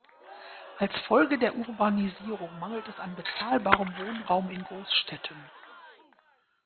Als Folge der Urbanisierung mangelt es an bezahlbarem Wohnraum in Großstädten.